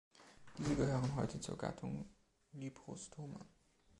Diese gehören heute zur Gattung „Librostome“.